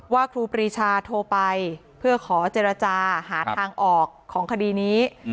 ครูปรีชาโทรไปเพื่อขอเจรจาหาทางออกของคดีนี้